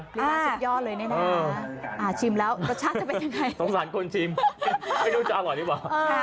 นี่น่าสุดยอดเลยเนี่ยนะคะชิมแล้วรสชาติจะเป็นยังไงสงสารคนชิมไม่รู้จะอร่อยหรือเปล่า